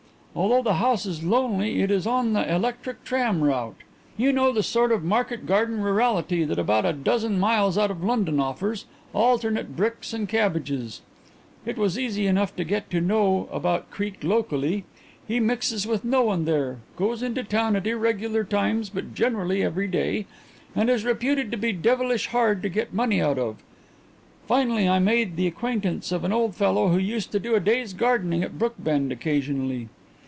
Although the house is lonely it is on the electric tram route. You know the sort of market garden rurality that about a dozen miles out of London offers alternate bricks and cabbages. It was easy enough to get to know about Creake locally. He mixes with no one there, goes into town at irregular times but generally every day, and is reputed to be devilish hard to get money out of. Finally I made the acquaintance of an old fellow who used to do a day's gardening at Brookbend occasionally.